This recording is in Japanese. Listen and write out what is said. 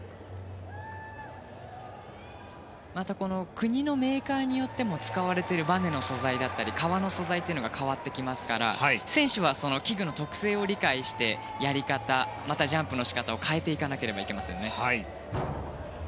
国のメーカーによっても使われているばねの素材だったり革の素材というのが変わってきますから選手は器具の特性を理解してやり方、またジャンプの仕方を変えていかなければなりません。